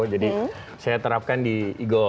jadi saya terapkan di igor